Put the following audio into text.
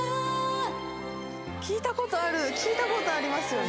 聞いたことある聞いたことありますよね